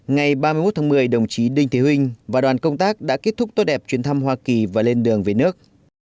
ngày ba mươi một tháng một mươi đồng chí đinh thế huynh và đoàn công tác đã kết thúc tốt đẹp chuyến thăm hoa kỳ và lên đường về nước